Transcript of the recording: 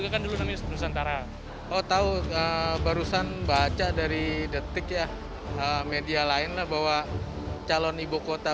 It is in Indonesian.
kan dulu namanya nusantara oh tahu ke barusan baca dari detik ya media lainnya bahwa calon ibukota